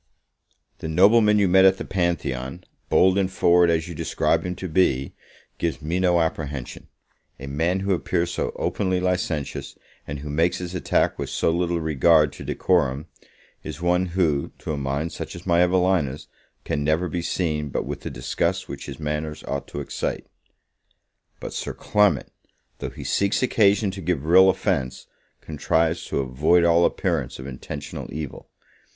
The nobleman you met at the Pantheon, bold and forward as you describe him to be, gives me no apprehension; a man who appears so openly licentious, and who makes his attack with so little regard to decorum, is one who, to a mind such as my Evelina's, can never be seen but with the disgust which his manners ought to excite. But Sir Clement, though he seeks occasion to give real offence, contrives to avoid all appearance of intentional evil.